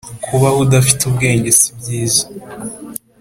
kubaho udafite ubwenge si byiza